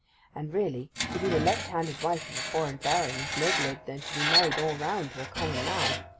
And really, to be the left handed wife of a foreign baron is nobler than to be married all round to a common man.